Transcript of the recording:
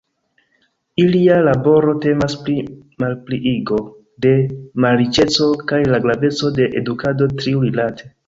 Ilia laboro temas pri “malpliigo de malriĉeco” kaj la graveco de edukado tiurilate.